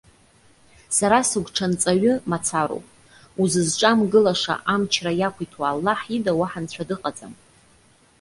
Сара сыгәҽанҵаҩы мацароуп. Узызҿамгылаша амчра иақәиҭу Аллаҳ ида уаҳа нцәа дыҟаӡам.